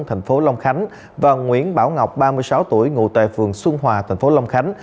tp long khánh và nguyễn bảo ngọc ba mươi sáu tuổi ngủ tại phường xuân hòa tp long khánh